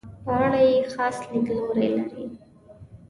په اړه یې خاص لیدلوری لري.